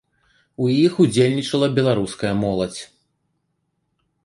У іх удзельнічала беларуская моладзь.